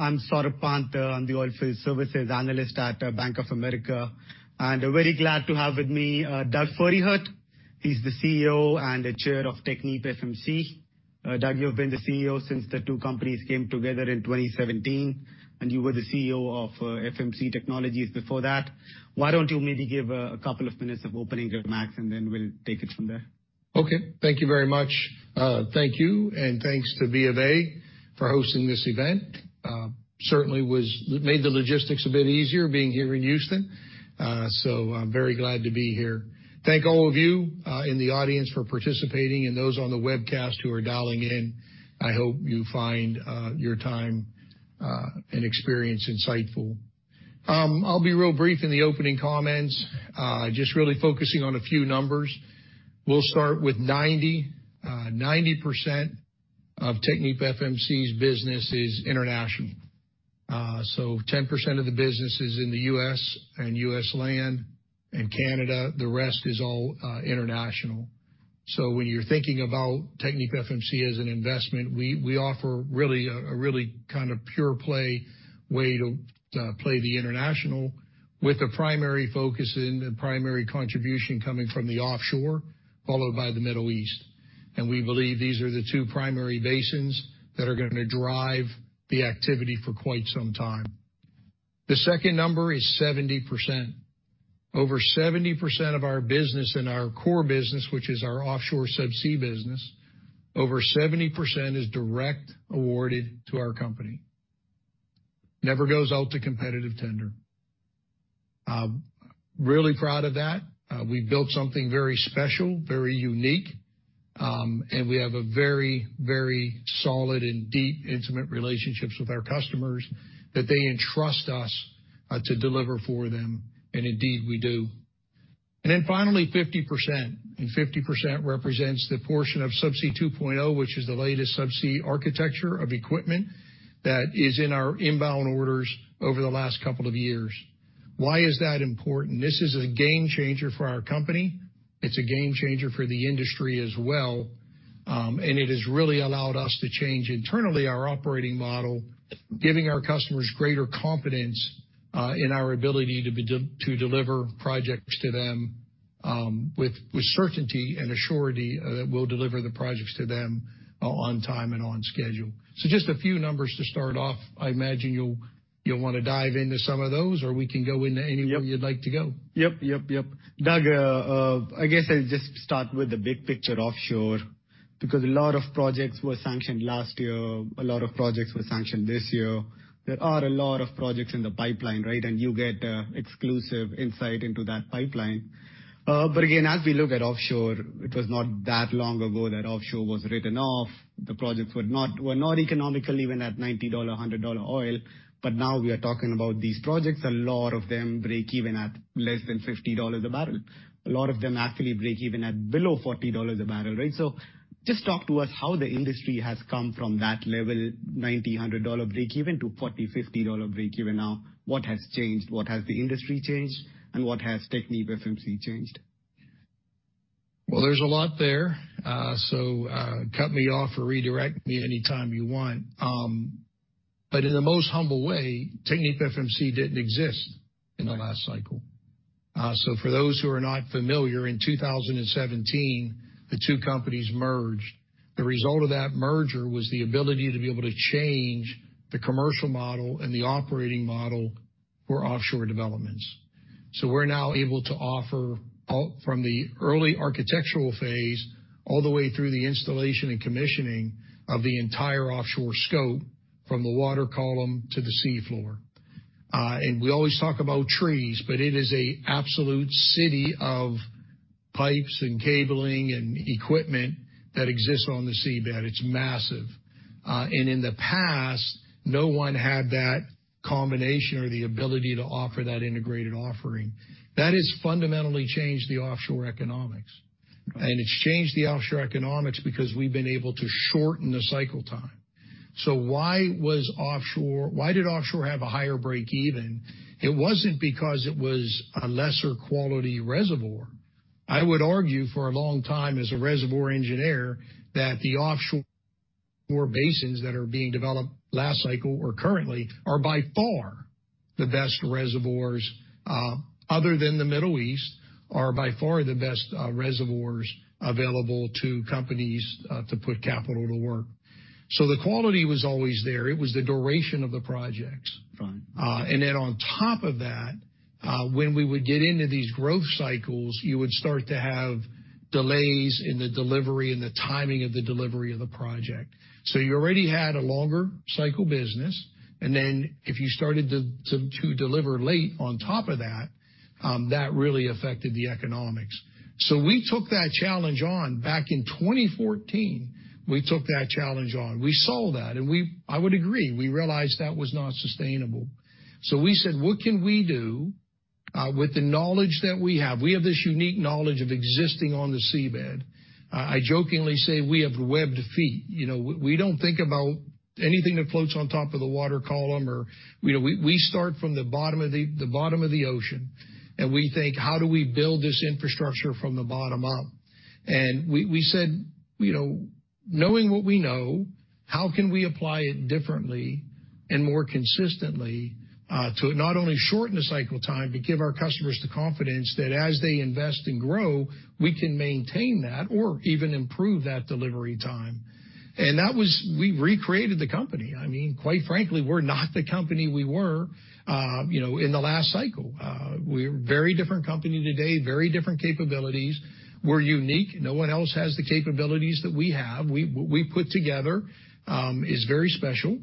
I'm Saurabh Pant. I'm the Oilfield Services Analyst at Bank of America, and very glad to have with me Doug Pferdehirt. He's the CEO and the Chair of TechnipFMC. Doug, you've been the CEO since the two companies came together in 2017, and you were the CEO of FMC Technologies before that. Why don't you maybe give a couple of minutes of opening remarks, and then we'll take it from there? Okay, thank you very much. Thank you, and thanks to B of A for hosting this event. Certainly made the logistics a bit easier being here in Houston, so I'm very glad to be here. Thank all of you in the audience for participating, and those on the webcast who are dialing in. I hope you find your time and experience insightful. I'll be real brief in the opening comments, just really focusing on a few numbers. We'll start with 90. 90% of TechnipFMC's business is international. So 10% of the business is in the U.S. and U.S. land and Canada, the rest is all international. When you're thinking about TechnipFMC as an investment, we offer really a really kind of pure play way to play the international, with a primary focus and the primary contribution coming from the offshore, followed by the Middle East. We believe these are the two primary basins that are gonna drive the activity for quite some time. The second number is 70%. Over 70% of our business and our core business, which is our offshore subsea business, over 70% is direct awarded to our company. Never goes out to competitive tender. Really proud of that. We've built something very special, very unique, and we have a very, very solid and deep, intimate relationships with our customers, that they entrust us to deliver for them, and indeed, we do. Then finally, 50%, and 50% represents the portion of Subsea 2.0, which is the latest subsea architecture of equipment that is in our inbound orders over the last couple of years. Why is that important? This is a game changer for our company. It's a game changer for the industry as well, and it has really allowed us to change internally our operating model, giving our customers greater confidence in our ability to be to deliver projects to them, with, with certainty and assurance, that we'll deliver the projects to them, on time and on schedule. Just a few numbers to start off. I imagine you'll, you'll want to dive into some of those, or we can go into anywhere you'd like to go. Yep, yep, yep. Doug, I guess I'll just start with the big picture offshore, because a lot of projects were sanctioned last year, a lot of projects were sanctioned this year. There are a lot of projects in the pipeline, right? And you get exclusive insight into that pipeline. But again, as we look at offshore, it was not that long ago that offshore was written off. The projects were not economical, even at $90, $100 oil. But now we are talking about these projects, a lot of them break even at less than $50 a barrel. A lot of them actually break even at below $40 a barrel, right? So just talk to us how the industry has come from that level, $90, $100 dollar breakeven to $40, $50 dollar breakeven now. What has changed? What has the industry changed, and what has TechnipFMC changed? Well, there's a lot there. So, cut me off or redirect me any time you want. But in the most humble way, TechnipFMC didn't exist in the last cycle. So for those who are not familiar, in 2017, the two companies merged. The result of that merger was the ability to be able to change the commercial model and the operating model for offshore developments. So we're now able to offer all, from the early architectural phase, all the way through the installation and commissioning of the entire offshore scope, from the water column to the sea floor. And we always talk about trees, but it is an absolute city of pipes and cabling and equipment that exists on the seabed. It's massive. And in the past, no one had that combination or the ability to offer that integrated offering. That has fundamentally changed the offshore economics, and it's changed the offshore economics because we've been able to shorten the cycle time. So why was offshore? Why did offshore have a higher break even? It wasn't because it was a lesser quality reservoir. I would argue for a long time as a reservoir engineer, that the offshore basins that are being developed last cycle or currently, are by far the best reservoirs, other than the Middle East, are by far the best reservoirs available to companies, to put capital to work. So the quality was always there. It was the duration of the projects. Right. And then on top of that, when we would get into these growth cycles, you would start to have delays in the delivery and the timing of the delivery of the project. So you already had a longer cycle business, and then if you started to deliver late on top of that, that really affected the economics. So we took that challenge on back in 2014, we took that challenge on. We saw that, and we, I would agree, we realized that was not sustainable. So we said, "What can we do with the knowledge that we have?" We have this unique knowledge of existing on the seabed. I jokingly say we have webbed feet. You know, we don't think about anything that floats on top of the water column or... We start from the bottom of the bottom of the ocean, and we think, "How do we build this infrastructure from the bottom up?" And we said, you know, knowing what we know, how can we apply it differently and more consistently to not only shorten the cycle time, but give our customers the confidence that as they invest and grow, we can maintain that or even improve that delivery time? And that was we recreated the company. I mean, quite frankly, we're not the company we were, you know, in the last cycle. We're a very different company today, very different capabilities. We're unique. No one else has the capabilities that we have. What we put together is very special.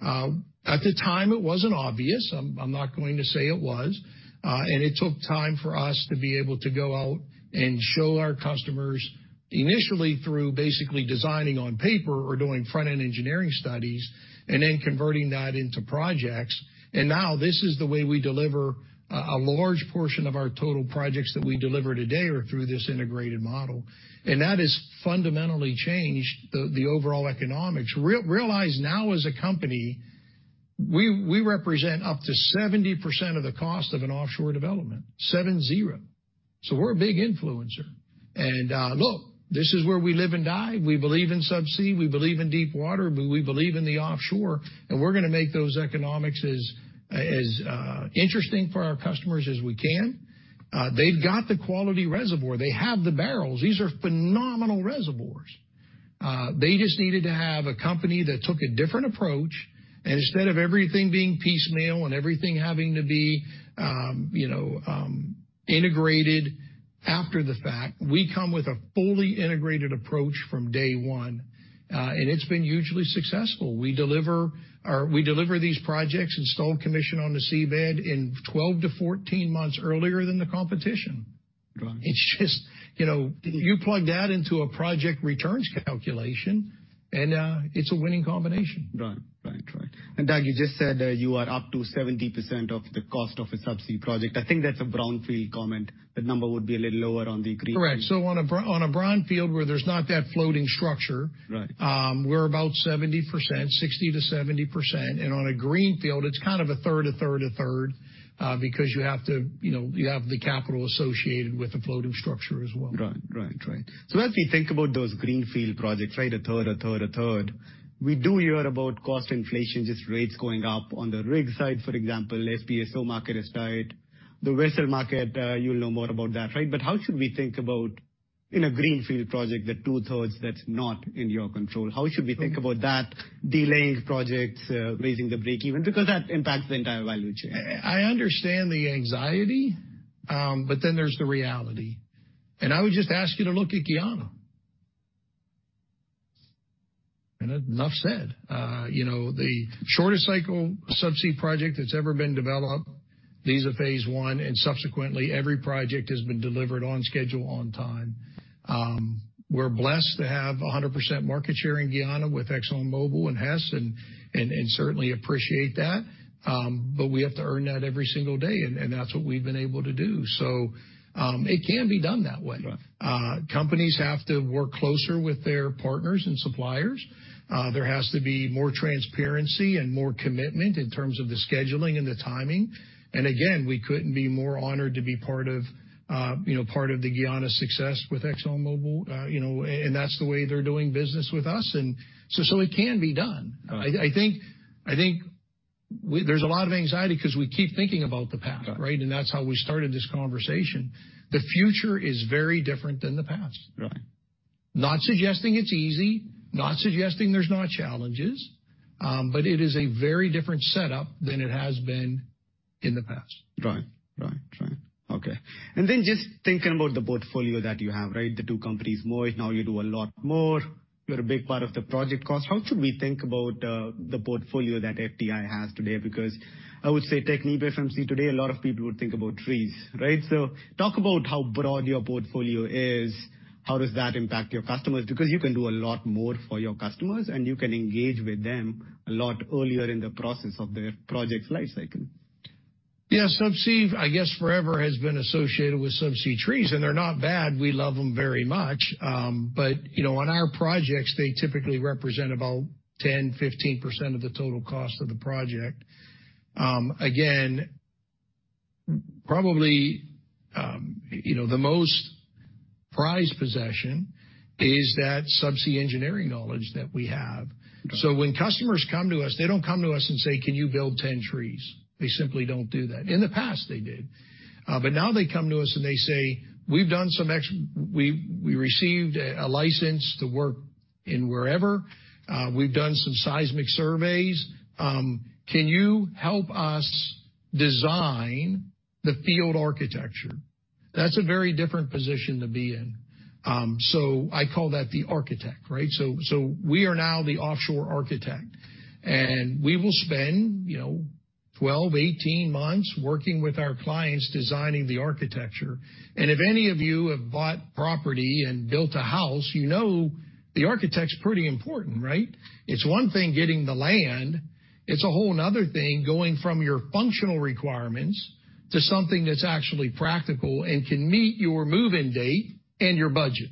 At the time, it wasn't obvious. I'm not going to say it was. And it took time for us to be able to go out and show our customers initially through basically designing on paper or doing front-end engineering studies and then converting that into projects. And now this is the way we deliver a large portion of our total projects that we deliver today are through this integrated model, and that has fundamentally changed the overall economics. Realize now, as a company, we represent up to 70% of the cost of an offshore development. 70%. So we're a big influencer, and look, this is where we live and die. We believe in subsea, we believe in deep water, but we believe in the offshore, and we're gonna make those economics as interesting for our customers as we can. They've got the quality reservoir. They have the barrels. These are phenomenal reservoirs. They just needed to have a company that took a different approach, and instead of everything being piecemeal and everything having to be, you know, integrated after the fact, we come with a fully integrated approach from day one, and it's been hugely successful. We deliver these projects installed, commissioned on the seabed in 12-14 months earlier than the competition. Right. It's just, you know, you plug that into a project returns calculation, and it's a winning combination. Right. Right, right. And Doug, you just said that you are up to 70% of the cost of a subsea project. I think that's a brownfield comment. That number would be a little lower on the green- Correct. So on a brownfield where there's not that floating structure- Right. We're about 70%, 60%-70%, and on a Greenfield, it's kind of 1/3, 1/3, 1/3 because you have to, you know, you have the capital associated with the floating structure as well. Right. Right, right. So as we think about those greenfield projects, right, a third, a third, a third, we do hear about cost inflation, just rates going up on the rig side, for example, FPSO market has died. The vessel market, you'll know more about that, right? But how should we think about, in a greenfield project, the two-thirds that's not in your control? How should we think about that delaying projects, raising the breakeven, because that impacts the entire value chain? I understand the anxiety, but then there's the reality. And I would just ask you to look at Guyana. And enough said. You know, the shortest cycle subsea project that's ever been developed, these are phase one, and subsequently, every project has been delivered on schedule, on time. We're blessed to have 100% market share in Guyana with ExxonMobil and Hess, and certainly appreciate that, but we have to earn that every single day, and that's what we've been able to do. So, it can be done that way. Right. Companies have to work closer with their partners and suppliers. There has to be more transparency and more commitment in terms of the scheduling and the timing. And again, we couldn't be more honored to be part of, you know, part of the Guyana success with ExxonMobil. You know, and, and that's the way they're doing business with us, and so, so it can be done. Right. I think we... There's a lot of anxiety because we keep thinking about the past. Right. That's how we started this conversation. The future is very different than the past. Right. Not suggesting it's easy, not suggesting there's not challenges, but it is a very different setup than it has been in the past. Right. Right, right. Okay, and then just thinking about the portfolio that you have, right? The two companies merge, now you do a lot more. You're a big part of the project cost. How should we think about the portfolio that FTI has today? Because I would say TechnipFMC today, a lot of people would think about trees, right? So talk about how broad your portfolio is. How does that impact your customers? Because you can do a lot more for your customers, and you can engage with them a lot earlier in the process of their project's life cycle. Yeah, subsea, I guess, forever has been associated with subsea trees, and they're not bad. We love them very much. But, you know, on our projects, they typically represent about 10%-15% of the total cost of the project. Again, probably, you know, the most prized possession is that subsea engineering knowledge that we have. Right. So when customers come to us, they don't come to us and say, "Can you build 10 trees?" They simply don't do that. In the past, they did. But now they come to us and they say, "We've done some. We received a license to work in wherever. We've done some seismic surveys. Can you help us design the field architecture?" That's a very different position to be in. So I call that the architect, right? So we are now the offshore architect, and we will spend, you know, 12, 18 months working with our clients, designing the architecture. And if any of you have bought property and built a house, you know the architect's pretty important, right? It's one thing getting the land, it's a whole another thing, going from your functional requirements to something that's actually practical and can meet your move-in date and your budget.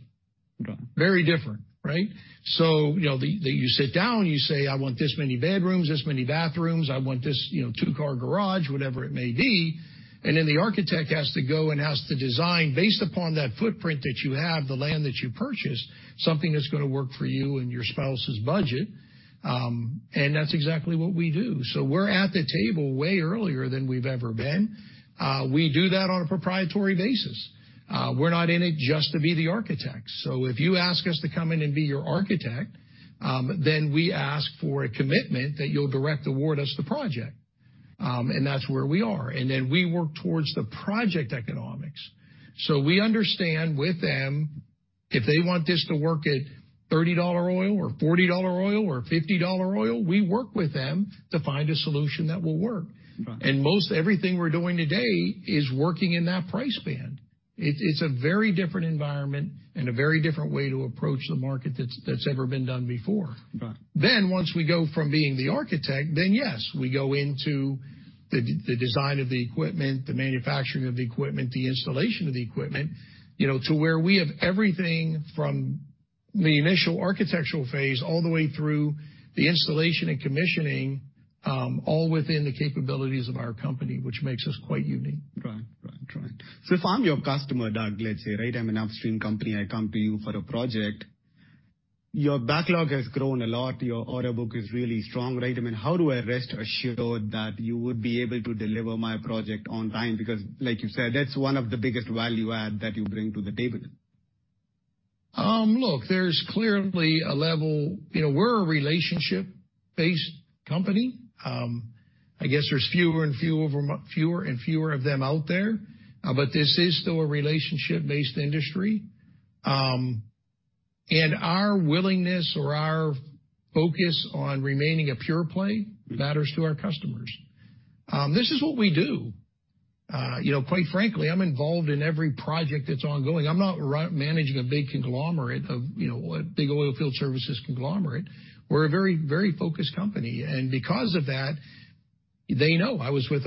Very different, right? So, you know, you sit down, you say: I want this many bedrooms, this many bathrooms. I want this, you know, two-car garage, whatever it may be, and then the architect has to go and has to design, based upon that footprint that you have, the land that you purchased, something that's gonna work for you and your spouse's budget, and that's exactly what we do. So we're at the table way earlier than we've ever been. We do that on a proprietary basis. We're not in it just to be the architect. So if you ask us to come in and be your architect, then we ask for a commitment that you'll direct award us the project, and that's where we are. And then we work towards the project economics. So we understand with them, if they want this to work at $30 oil or $40 oil or $50 oil, we work with them to find a solution that will work. Right. Most everything we're doing today is working in that price band. It's, it's a very different environment and a very different way to approach the market that's, that's ever been done before. Right. Then, once we go from being the architect, then yes, we go into the design of the equipment, the manufacturing of the equipment, the installation of the equipment, you know, to where we have everything from the initial architectural phase all the way through the installation and commissioning, all within the capabilities of our company, which makes us quite unique. So if I'm your customer, Doug, let's say, right, I'm an upstream company, I come to you for a project. Your backlog has grown a lot. Your order book is really strong, right? I mean, how do I rest assured that you would be able to deliver my project on time? Because, like you said, that's one of the biggest value add that you bring to the table. Look, there's clearly a level... You know, we're a relationship-based company. I guess there's fewer and fewer of them, fewer and fewer of them out there, but this is still a relationship-based industry. And our willingness or our focus on remaining a pure play matters to our customers. This is what we do. You know, quite frankly, I'm involved in every project that's ongoing. I'm not managing a big conglomerate of, you know, a big oil field services conglomerate. We're a very, very focused company, and because of that, they know. I was with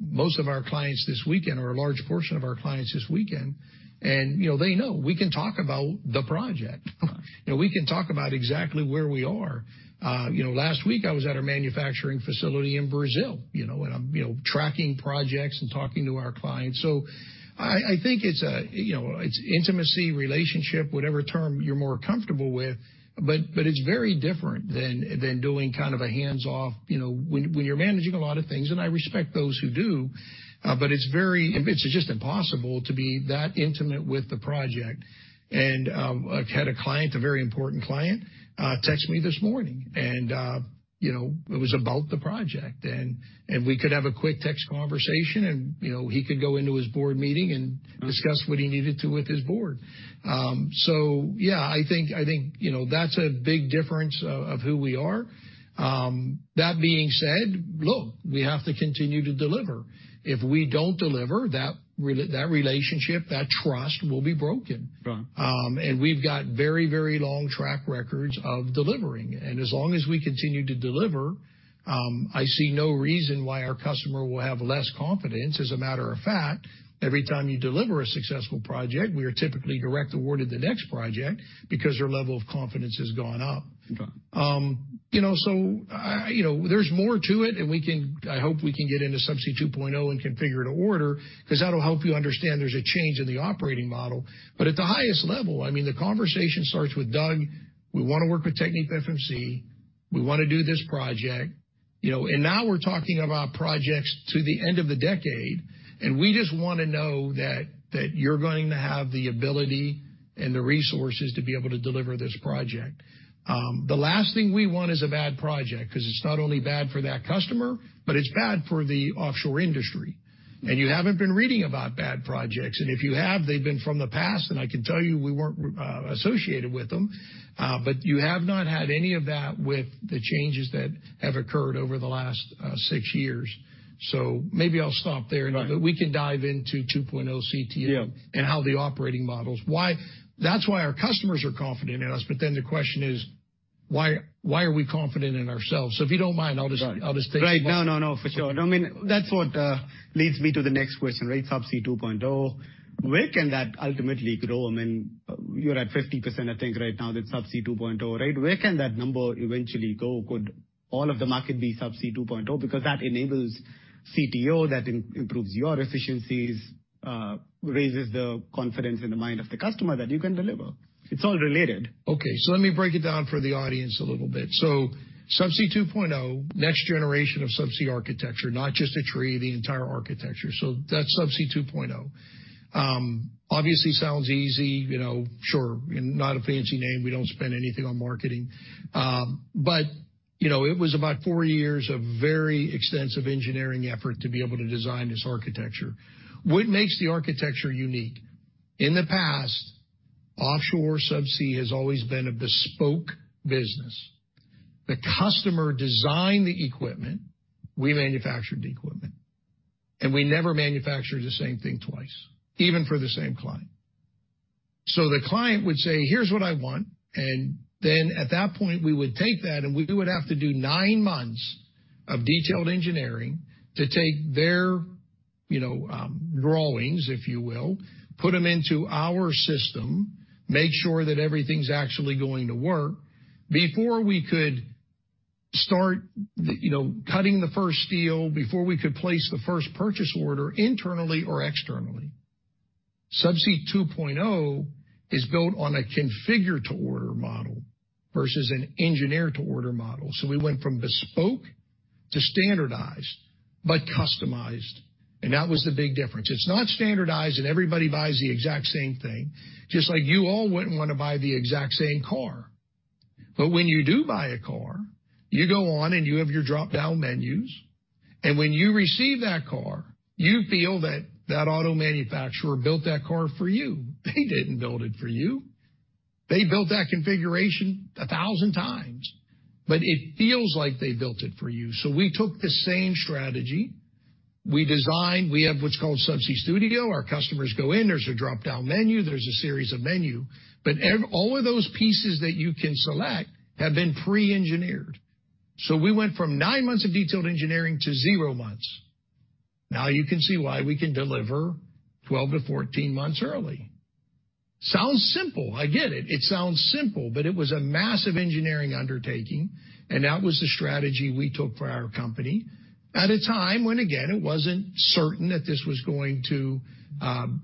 most of our clients this weekend, or a large portion of our clients this weekend, and, you know, they know. We can talk about the project. You know, we can talk about exactly where we are. You know, last week I was at our manufacturing facility in Brazil, you know, and I'm, you know, tracking projects and talking to our clients. So I, I think it's a, you know, it's intimacy, relationship, whatever term you're more comfortable with, but, but it's very different than, than doing kind of a hands-off... You know, when, when you're managing a lot of things, and I respect those who do, but it's very, it's just impossible to be that intimate with the project. And, I've had a client, a very important client, text me this morning, and, you know, it was about the project, and, and we could have a quick text conversation and, you know, he could go into his board meeting and discuss what he needed to with his board. So yeah, I think, I think, you know, that's a big difference of who we are. That being said, look, we have to continue to deliver. If we don't deliver, that relationship, that trust will be broken. Right. We've got very, very long track records of delivering, and as long as we continue to deliver, I see no reason why our customer will have less confidence. As a matter of fact, every time you deliver a successful project, we are typically direct awarded the next project because their level of confidence has gone up. Right. You know, so, you know, there's more to it, and I hope we can get into Subsea 2.0 and configure-to-order, 'cause that'll help you understand there's a change in the operating model. But at the highest level, I mean, the conversation starts with, "Doug, we wanna work with TechnipFMC. We wanna do this project," you know, "and now we're talking about projects to the end of the decade, and we just wanna know that you're going to have the ability and the resources to be able to deliver this project." The last thing we want is a bad project, 'cause it's not only bad for that customer, but it's bad for the offshore industry. You haven't been reading about bad projects, and if you have, they've been from the past, and I can tell you, we weren't associated with them. But you have not had any of that with the changes that have occurred over the last six years. So maybe I'll stop there. Right. But we can dive into 2.0 CT and all the operating models. Yeah. That's why our customers are confident in us, but then the question is, why, why are we confident in ourselves? So if you don't mind, I'll just- Right. I'll just take- Right. No, no, no, for sure. I mean, that's what leads me to the next question, right? Subsea 2.0. Where can that ultimately grow? I mean, you're at 50%, I think right now, that Subsea 2.0, right? Where can that number eventually go? Could all of the market be Subsea 2.0? Because that enables CTO, that improves your efficiencies, raises the confidence in the mind of the customer that you can deliver. It's all related. Okay, so let me break it down for the audience a little bit. So Subsea 2.0, next generation of subsea architecture, not just a tree, the entire architecture. So that's Subsea 2.0. Obviously, sounds easy, you know, sure, and not a fancy name. We don't spend anything on marketing. But, you know, it was about 4 years of very extensive engineering effort to be able to design this architecture. What makes the architecture unique? In the past, offshore subsea has always been a bespoke business. The customer designed the equipment, we manufactured the equipment, and we never manufactured the same thing twice, even for the same client. So the client would say, "Here's what I want," and then at that point, we would take that, and we would have to do 9 months of detailed engineering to take their-... You know, drawings, if you will, put them into our system, make sure that everything's actually going to work before we could start, you know, cutting the first steel, before we could place the first purchase order internally or externally. Subsea 2.0 is built on a Configure-to-Order model versus an Engineer-to-Order model. So we went from bespoke to standardized, but customized, and that was the big difference. It's not standardized, and everybody buys the exact same thing, just like you all wouldn't want to buy the exact same car. But when you do buy a car, you go on, and you have your drop-down menus, and when you receive that car, you feel that that auto manufacturer built that car for you. They didn't build it for you. They built that configuration 1,000x, but it feels like they built it for you. So we took the same strategy. We designed. We have what's called Subsea Studio. Our customers go in, there's a drop-down menu, there's a series of menu, but all of those pieces that you can select have been pre-engineered. So we went from nine months of detailed engineering to zero months. Now you can see why we can deliver 12-14 months early. Sounds simple. I get it. It sounds simple, but it was a massive engineering undertaking, and that was the strategy we took for our company at a time when, again, it wasn't certain that this was going to,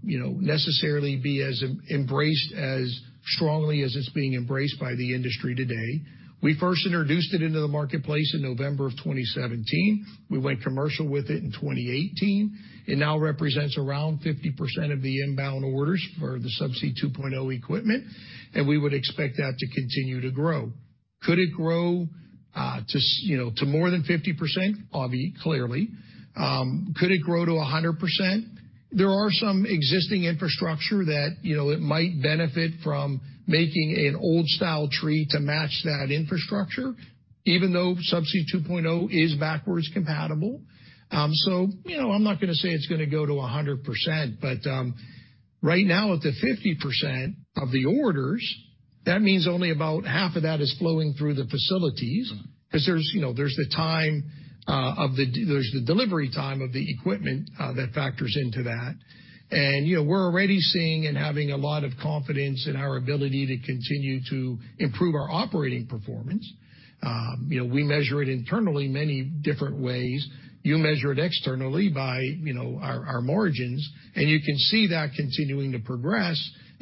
you know, necessarily be as embraced, as strongly as it's being embraced by the industry today. We first introduced it into the marketplace in November 2017. We went commercial with it in 2018. It now represents around 50% of the inbound orders for the Subsea 2.0 equipment, and we would expect that to continue to grow. Could it grow, you know, to more than 50%? Obviously, clearly. Could it grow to 100%? There are some existing infrastructure that, you know, it might benefit from making an old-style tree to match that infrastructure, even though Subsea 2.0 is backwards compatible. So, you know, I'm not gonna say it's gonna go to 100%, but, right now, at the 50% of the orders, that means only about half of that is flowing through the facilities, 'cause there's, you know, there's the time of the... There's the delivery time of the equipment that factors into that. You know, we're already seeing and having a lot of confidence in our ability to continue to improve our operating performance. You know, we measure it internally many different ways. You measure it externally by, you know, our margins, and you can see that continuing to progress.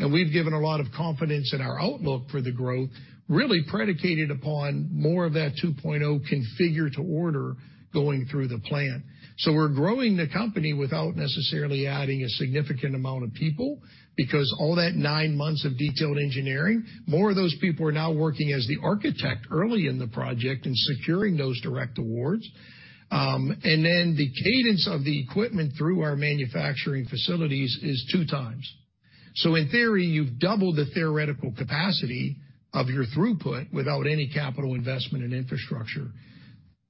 We've given a lot of confidence in our outlook for the growth, really predicated upon more of that 2.0 Configure-to-Order going through the plant. So we're growing the company without necessarily adding a significant amount of people, because all that nine months of detailed engineering, more of those people are now working as the architect early in the project and securing those direct awards. And then the cadence of the equipment through our manufacturing facilities is 2x. So in theory, you've doubled the theoretical capacity of your throughput without any capital investment in infrastructure.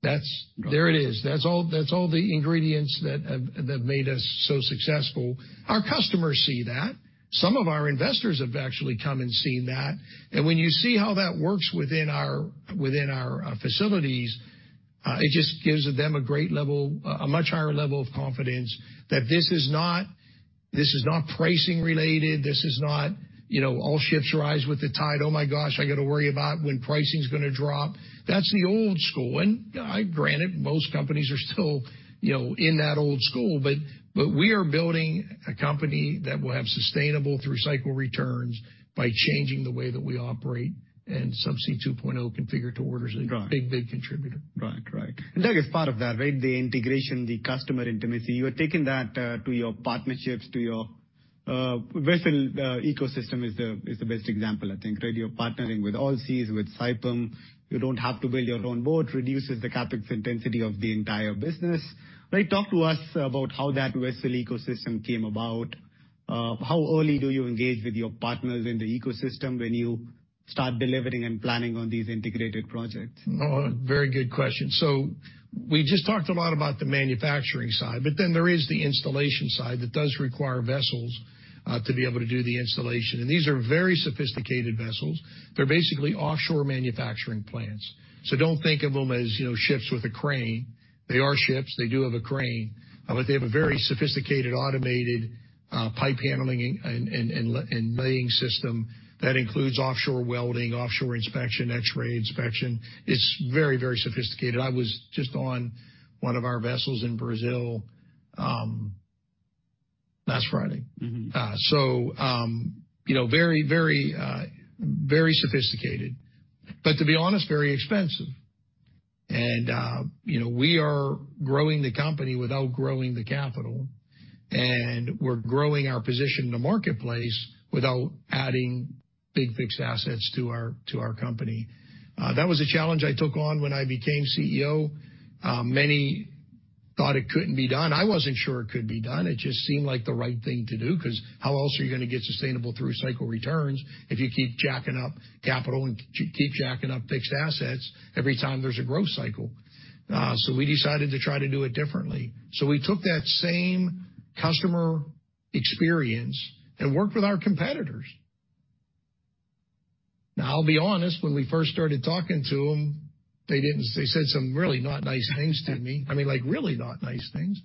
That's—There it is. That's all, that's all the ingredients that made us so successful. Our customers see that. Some of our investors have actually come and seen that, and when you see how that works within our facilities, it just gives them a great level, a much higher level of confidence that this is not, this is not pricing related, this is not, you know, all ships rise with the tide. Oh, my gosh, I got to worry about when pricing is gonna drop. That's the old school, and, granted, most companies are still, you know, in that old school, but, but we are building a company that will have sustainable through-cycle returns by changing the way that we operate, and Subsea 2.0 Configure-to-Order is a- Right. big, big contributor. Right. Right. And Doug, as part of that, right, the integration, the customer intimacy, you are taking that to your partnerships, to your vessel ecosystem is the best example, I think, right? You're partnering with Allseas, with Saipem. You don't have to build your own boat, reduces the CapEx intensity of the entire business. Right, talk to us about how that vessel ecosystem came about. How early do you engage with your partners in the ecosystem when you start delivering and planning on these integrated projects? Oh, very good question. So we just talked a lot about the manufacturing side, but then there is the installation side that does require vessels to be able to do the installation, and these are very sophisticated vessels. They're basically offshore manufacturing plants. So don't think of them as, you know, ships with a crane. They are ships, they do have a crane, but they have a very sophisticated, automated pipe handling and laying system that includes offshore welding, offshore inspection, X-ray inspection. It's very, very sophisticated. I was just on one of our vessels in Brazil last Friday. Mm-hmm. So, you know, very, very, very sophisticated, but to be honest, very expensive. And, you know, we are growing the company without growing the capital, and we're growing our position in the marketplace without adding big fixed assets to our, to our company. That was a challenge I took on when I became CEO. Many thought it couldn't be done. I wasn't sure it could be done. It just seemed like the right thing to do, 'cause how else are you gonna get sustainable through cycle returns if you keep jacking up capital and keep jacking up fixed assets every time there's a growth cycle? So we decided to try to do it differently. So we took that same customer experience and worked with our competitors. Now, I'll be honest, when we first started talking to them, they didn't, they said some really not nice things to me. I mean, like, really not nice things.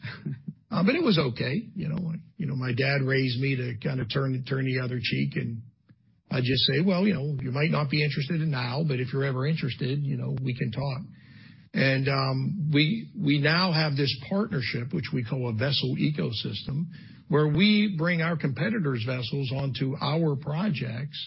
But it was okay, you know, like, you know, my dad raised me to kind of turn the other cheek, and I just say, "Well, you know, you might not be interested in now, but if you're ever interested, you know, we can talk." And, we now have this partnership, which we call a vessel ecosystem, where we bring our competitors' vessels onto our projects,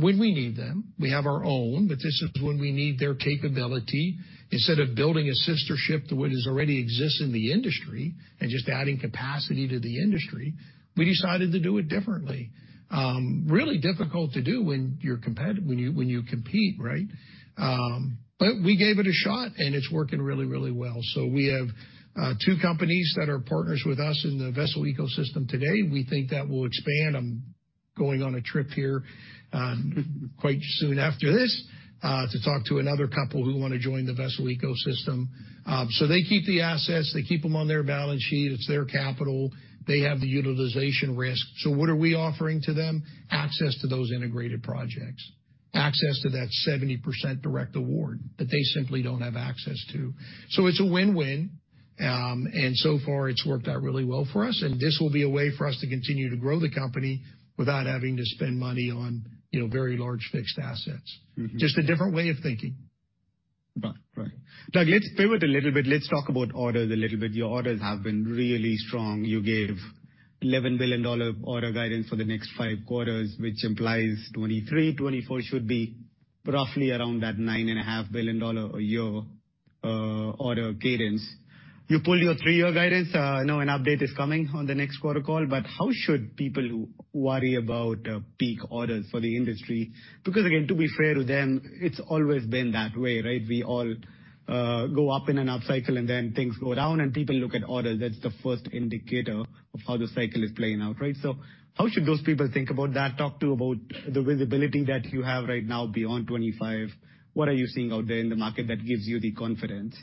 when we need them. We have our own, but this is when we need their capability. Instead of building a sister ship to what is already exists in the industry and just adding capacity to the industry, we decided to do it differently. Really difficult to do when you're competitive, when you compete, right? But we gave it a shot, and it's working really, really well. So we have two companies that are partners with us in the vessel ecosystem today. We think that will expand. I'm going on a trip here, quite soon after this, to talk to another couple who want to join the vessel ecosystem. So they keep the assets, they keep them on their balance sheet, it's their capital. They have the utilization risk. So what are we offering to them? Access to those integrated projects, access to that 70% direct award that they simply don't have access to. So it's a win-win, and so far, it's worked out really well for us, and this will be a way for us to continue to grow the company without having to spend money on, you know, very large fixed assets. Mm-hmm. Just a different way of thinking. Right. Right. Doug, let's pivot a little bit. Let's talk about orders a little bit. Your orders have been really strong. You gave $11 billion order guidance for the next 5 quarters, which implies 2023, 2024 should be roughly around that $9.5 billion a year order guidance. You pulled your 3-year guidance. I know an update is coming on the next quarter call, but how should people worry about peak orders for the industry? Because, again, to be fair to them, it's always been that way, right? We all go up in an upcycle, and then things go down, and people look at orders. That's the first indicator of how the cycle is playing out, right? So how should those people think about that? Talk to about the visibility that you have right now beyond 2025. What are you seeing out there in the market that gives you the confidence?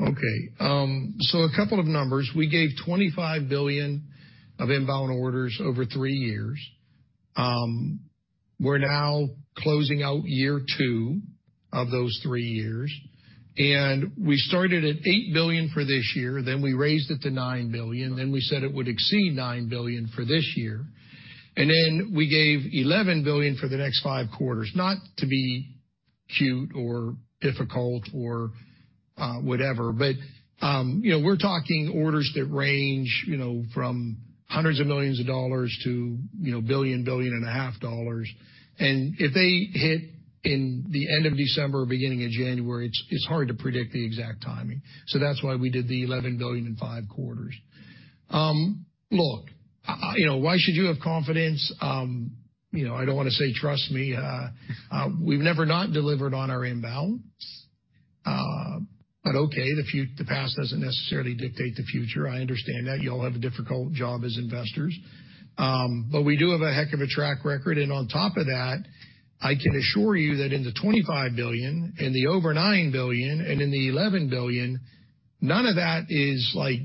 Okay, so a couple of numbers. We gave $25 billion of inbound orders over three years. We're now closing out year two of those three years, and we started at $8 billion for this year, then we raised it to $9 billion, then we said it would exceed $9 billion for this year. And then we gave $11 billion for the next five quarters, not to be cute or difficult or whatever, but you know, we're talking orders that range, you know, from hundreds of millions of dollars to, you know, $1 billion, $1.5 billion. And if they hit in the end of December or beginning of January, it's hard to predict the exact timing. So that's why we did the $11 billion in five quarters. Look, you know, why should you have confidence? You know, I don't wanna say trust me, we've never not delivered on our inbounds. But okay, the past doesn't necessarily dictate the future. I understand that, you all have a difficult job as investors, but we do have a heck of a track record, and on top of that, I can assure you that in the $25 billion, in the over $9 billion, and in the $11 billion, none of that is like...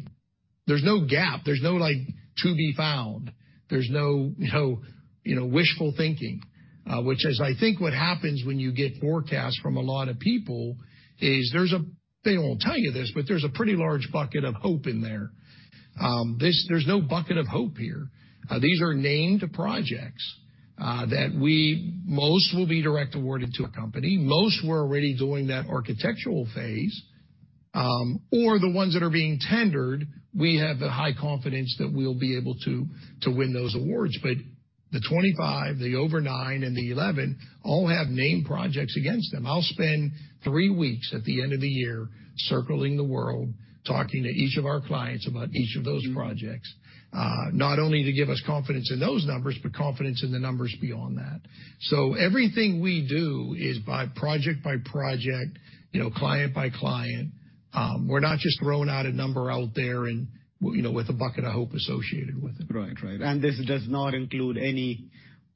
There's no gap, there's no like to be found. There's no, no, you know, wishful thinking, which is, I think what happens when you get forecasts from a lot of people is there's a, they won't tell you this, but there's a pretty large bucket of hope in there. This, there's no bucket of hope here. These are named projects that we... Most will be direct awarded to our company, most we're already doing that architectural phase, or the ones that are being tendered, we have the high confidence that we'll be able to win those awards. But the 25, the over 9, and the 11 all have named projects against them. I'll spend 3 weeks at the end of the year circling the world, talking to each of our clients about each of those projects, not only to give us confidence in those numbers, but confidence in the numbers beyond that. So everything we do is by project by project, you know, client by client. We're not just throwing out a number out there and, you know, with a bucket of hope associated with it. Right. Right. And this does not include any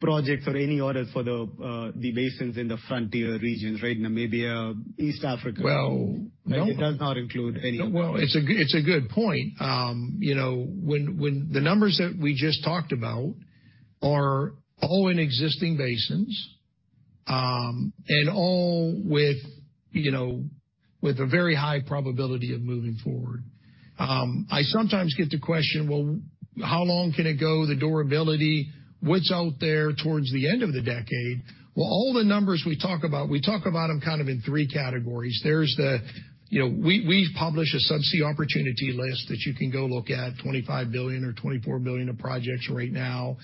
projects or any orders for the, the basins in the frontier regions, right? Namibia, East Africa. Well- It does not include any? Well, it's a good point. You know, when the numbers that we just talked about are all in existing basins, and all with, you know, with a very high probability of moving forward. I sometimes get the question, "Well, how long can it go, the durability? What's out there towards the end of the decade?" Well, all the numbers we talk about, we talk about them kind of in three categories. There's the... You know, we've published a subsea opportunity list that you can go look at, $25 billion or $24 billion of projects right now.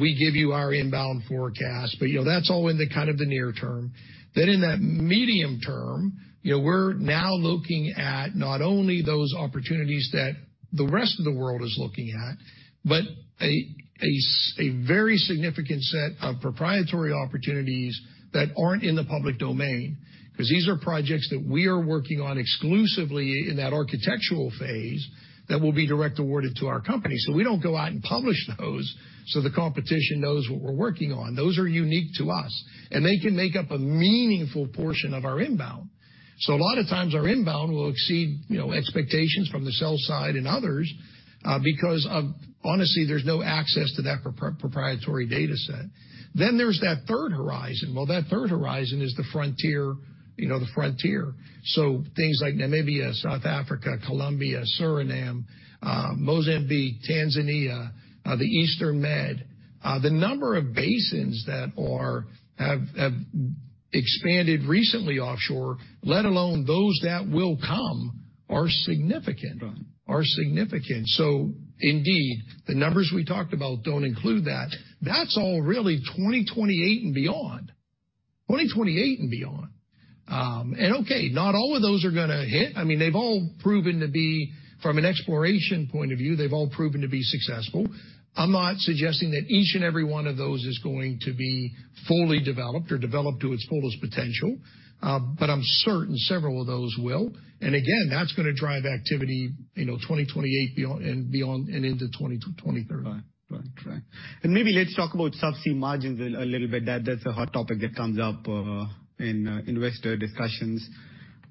We give you our inbound forecast, but, you know, that's all in the kind of the near term. Then in that medium term, you know, we're now looking at not only those opportunities that the rest of the world is looking at, but a very significant set of proprietary opportunities that aren't in the public domain. Because these are projects that we are working on exclusively in that architectural phase, that will be direct awarded to our company. So we don't go out and publish those, so the competition knows what we're working on. Those are unique to us, and they can make up a meaningful portion of our inbound. So a lot of times our inbound will exceed, you know, expectations from the sell side and others, because, honestly, there's no access to that proprietary data set. Then there's that third horizon. Well, that third horizon is the frontier, you know, the frontier. So things like Namibia, South Africa, Colombia, Suriname, Mozambique, Tanzania, the Eastern Med. The number of basins that have expanded recently offshore, let alone those that will come, are significant. Right. Are significant. So indeed, the numbers we talked about don't include that. That's all really 2028 and beyond. 2028 and beyond. And okay, not all of those are gonna hit. I mean, they've all proven to be, from an exploration point of view, they've all proven to be successful. I'm not suggesting that each and every one of those is going to be fully developed or developed to its fullest potential, but I'm certain several of those will. And again, that's gonna drive activity, you know, 2028 and beyond, and into 2029-2030. Right. Right. Right. And maybe let's talk about subsea margins a little bit. That's a hot topic that comes up in investor discussions.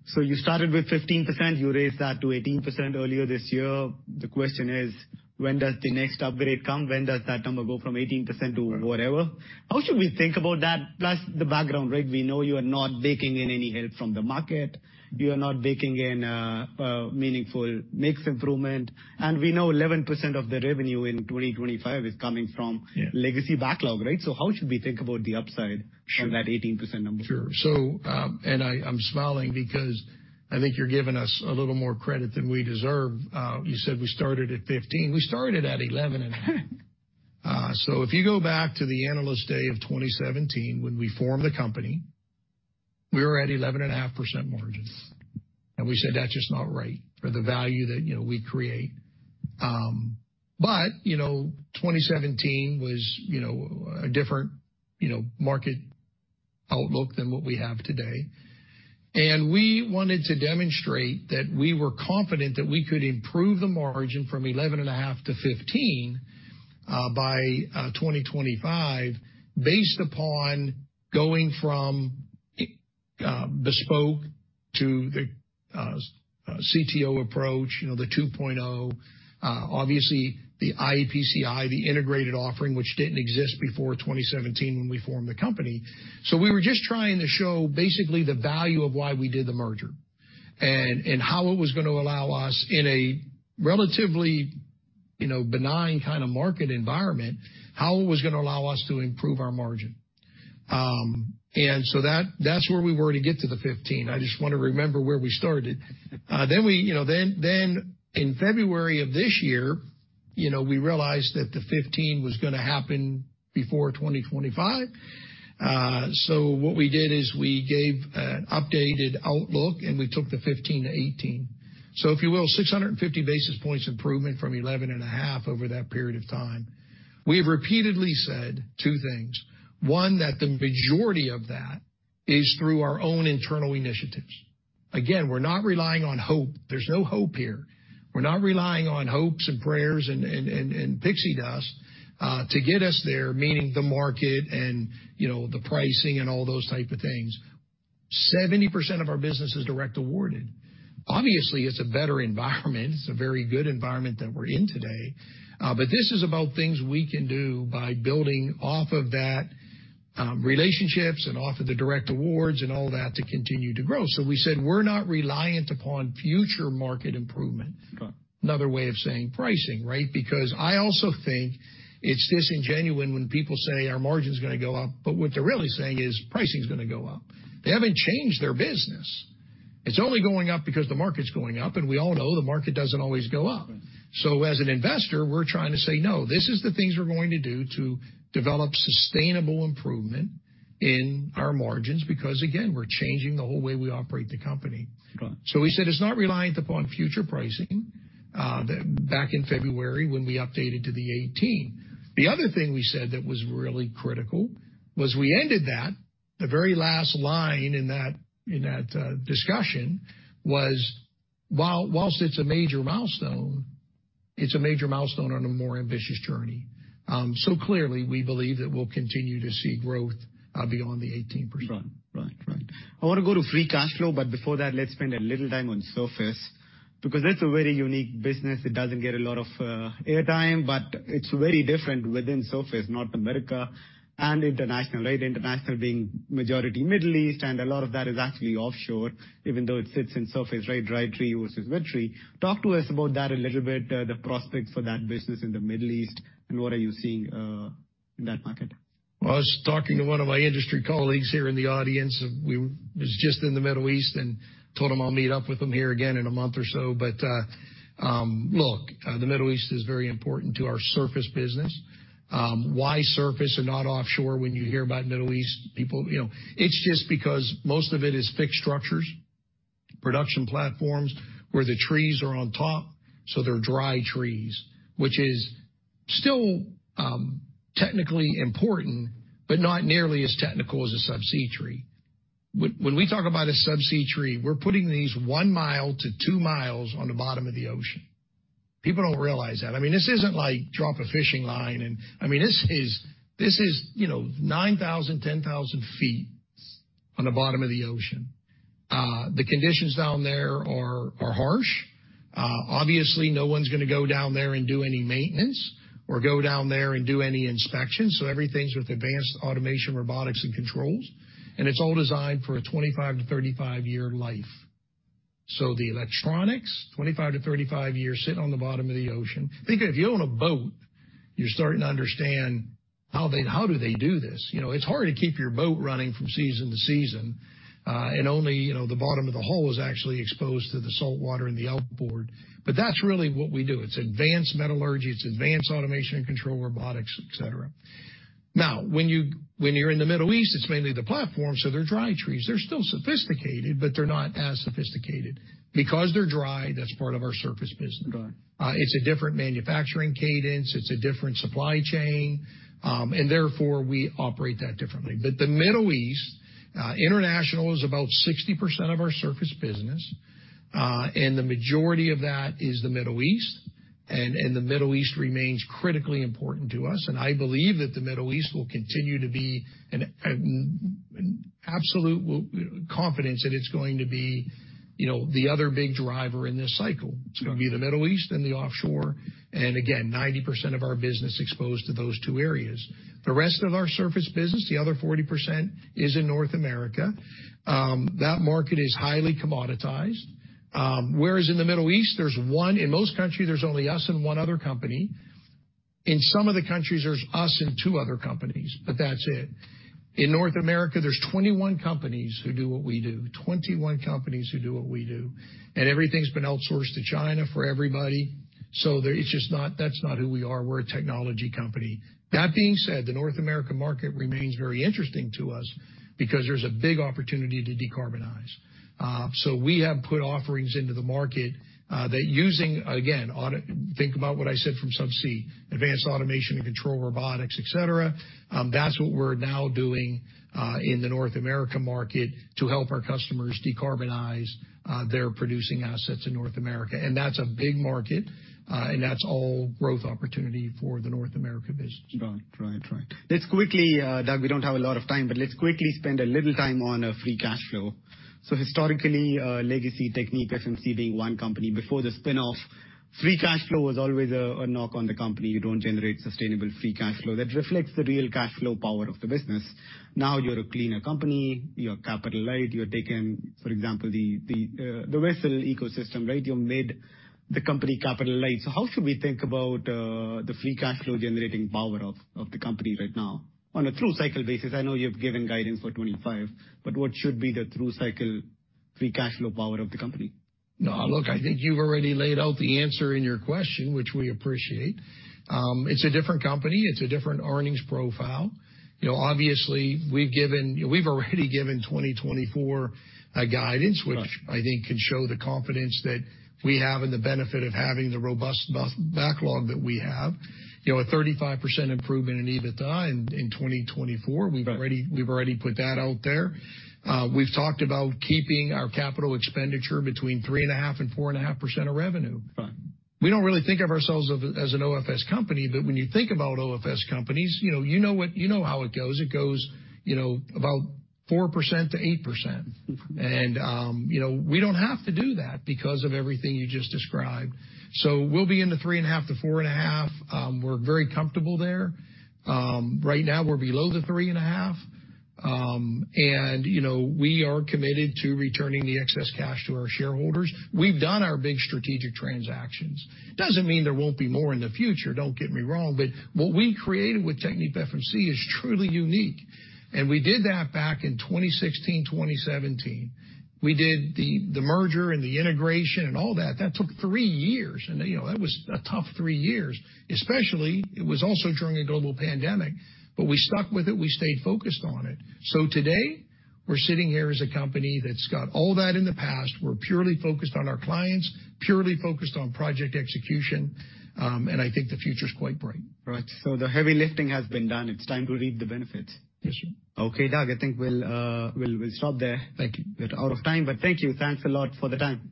So you started with 15%, you raised that to 18% earlier this year. The question is, when does the next upgrade come? When does that number go from 18% to whatever? How should we think about that, plus the background, right? We know you are not baking in any help from the market. You are not baking in a meaningful mix improvement, and we know 11% of the revenue in 2025 is coming from- Yeah. -legacy backlog, right? So how should we think about the upside- Sure. -on that 18% number? Sure. So, and I, I'm smiling because I think you're giving us a little more credit than we deserve. You said we started at 15%. We started at 11.5%. So if you go back to the Analyst Day of 2017, when we formed the company, we were at 11.5% margins. And we said, "That's just not right for the value that, you know, we create." But, you know, 2017 was, you know, a different, you know, market outlook than what we have today. And we wanted to demonstrate that we were confident that we could improve the margin from 11.5% to 15%, by, 2025, based upon going from bespoke to the CTO approach, you know, the 2.0. Obviously, the iEPCI, the integrated offering, which didn't exist before 2017 when we formed the company. So we were just trying to show basically the value of why we did the merger, and how it was gonna allow us in a relatively, you know, benign kind of market environment, how it was gonna allow us to improve our margin. And so that's where we were to get to the 15%. I just want to remember where we started. Then we, you know, then in February of this year, you know, we realized that the 15% was gonna happen before 2025. So what we did is we gave an updated outlook, and we took the 15%-18%. So if you will, 650 basis points improvement from 11.5% over that period of time. We have repeatedly said two things. One, that the majority of that is through our own internal initiatives. Again, we're not relying on hope. There's no hope here. We're not relying on hopes and prayers and pixie dust to get us there, meaning the market and, you know, the pricing and all those type of things. 70% of our business is direct awarded. Obviously, it's a better environment. It's a very good environment that we're in today, but this is about things we can do by building off of that, relationships and off of the direct awards and all that to continue to grow. So we said we're not reliant upon future market improvement. Right. Another way of saying pricing, right? Because I also think it's disingenuous when people say our margin's gonna go up, but what they're really saying is pricing is gonna go up. They haven't changed their business. It's only going up because the market's going up, and we all know the market doesn't always go up. Right. As an investor, we're trying to say, "No, this is the things we're going to do to develop sustainable improvement in our margins," because, again, we're changing the whole way we operate the company. Right. So we said it's not reliant upon future pricing, back in February when we updated to the 18%. The other thing we said that was really critical was we ended that, the very last line in that discussion was, while it's a major milestone, it's a major milestone on a more ambitious journey. So clearly, we believe that we'll continue to see growth beyond the 18%. Right. Right, right. I wanna go to free cash flow, but before that, let's spend a little time on surface, because that's a very unique business. It doesn't get a lot of airtime, but it's very different within surface North America and international, right? International being majority Middle East, and a lot of that is actually offshore, even though it sits in surface, right, dry tree versus wet tree. Talk to us about that a little bit, the prospects for that business in the Middle East, and what are you seeing, in that market? Well, I was talking to one of my industry colleagues here in the audience, and we was just in the Middle East, and told him I'll meet up with him here again in a month or so. But, look, the Middle East is very important to our surface business. Why surface and not offshore when you hear about Middle East people? You know, it's just because most of it is fixed structures, production platforms, where the trees are on top, so they're dry trees, which is still technically important, but not nearly as technical as a subsea tree. When we talk about a subsea tree, we're putting these 1-2 miles on the bottom of the ocean. People don't realize that. I mean, this isn't like drop a fishing line and... I mean, this is, you know, 9,000-10,000 feet on the bottom of the ocean. The conditions down there are harsh. Obviously, no one's gonna go down there and do any maintenance or go down there and do any inspections, so everything's with advanced automation, robotics, and controls, and it's all designed for a 25-35-year life. So the electronics, 25-35 years, sitting on the bottom of the ocean. Think, if you own a boat, you're starting to understand how do they do this? You know, it's hard to keep your boat running from season to season, and only, you know, the bottom of the hull is actually exposed to the saltwater and the outboard. But that's really what we do. It's advanced metallurgy, it's advanced automation and control, robotics, et cetera. Now, when you're in the Middle East, it's mainly the platforms, so they're dry trees. They're still sophisticated, but they're not as sophisticated. Because they're dry, that's part of our surface business. Got it. It's a different manufacturing cadence, it's a different supply chain, and therefore, we operate that differently. But the Middle East, international is about 60% of our surface business, and the majority of that is the Middle East, and the Middle East remains critically important to us. And I believe that the Middle East will continue to be an absolute confidence that it's going to be, you know, the other big driver in this cycle. Got it. It's gonna be the Middle East and the offshore, and again, 90% of our business exposed to those two areas. The rest of our surface business, the other 40%, is in North America. That market is highly commoditized, whereas in the Middle East, there's one. In most countries, there's only us and one other company. In some of the countries, there's us and two other companies, but that's it. In North America, there's 21 companies who do what we do, 21 companies who do what we do, and everything's been outsourced to China for everybody. So there. It's just not, that's not who we are. We're a technology company. That being said, the North American market remains very interesting to us because there's a big opportunity to decarbonize. We have put offerings into the market. Think about what I said from subsea, advanced automation and control, robotics, et cetera. That's what we're now doing in the North America market to help our customers decarbonize their producing assets in North America. That's a big market, and that's all growth opportunity for the North America business. Right. Right, right. Let's quickly, Doug, we don't have a lot of time, but let's quickly spend a little time on free cash flow. So historically, legacy TechnipFMC being one company. Before the spin-off, free cash flow was always a knock on the company. You don't generate sustainable free cash flow. That reflects the real cash flow power of the business. Now, you're a cleaner company, you're capital light, you're taking, for example, the vessel ecosystem, right? You made the company capital light. So how should we think about the free cash flow-generating power of the company right now, on a through cycle basis? I know you've given guidance for 25, but what should be the through cycle free cash flow power of the company? No, look, I think you've already laid out the answer in your question, which we appreciate. It's a different company. It's a different earnings profile. You know, obviously, we've given... We've already given 2024 a guidance- Right. which I think can show the confidence that we have and the benefit of having the robust backlog that we have. You know, a 35% improvement in EBITDA in 2024. Right. We've already, we've already put that out there. We've talked about keeping our capital expenditure between 3.5% and 4.5% of revenue. Right. We don't really think of ourselves as an OFS company, but when you think about OFS companies, you know, you know what, you know how it goes. It goes, you know, about 4%-8%. You know, we don't have to do that because of everything you just described. So we'll be in the 3.5%-4.5%. We're very comfortable there. Right now, we're below the 3.5%. You know, we are committed to returning the excess cash to our shareholders. We've done our big strategic transactions. Doesn't mean there won't be more in the future, don't get me wrong, but what we created with TechnipFMC is truly unique, and we did that back in 2016, 2017. We did the merger and the integration and all that. That took three years, and, you know, that was a tough three years, especially, it was also during a global pandemic. But we stuck with it. We stayed focused on it. So today, we're sitting here as a company that's got all that in the past. We're purely focused on our clients, purely focused on project execution, and I think the future is quite bright. Right. So the heavy lifting has been done. It's time to reap the benefits. Yes, sir. Okay, Doug, I think we'll stop there. Thank you. We're out of time, but thank you. Thanks a lot for the time.